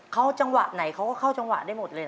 เข้าจังหวาดไหนเขาก็เข้าจังหวาดได้หมด